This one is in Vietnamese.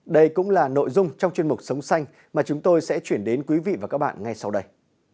đây cũng là nội dung trong chuyên mục sống xanh mà chúng tôi sẽ chuyển đến quý vị và các bạn ngay sau đây